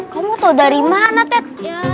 kamu tau dari mana tet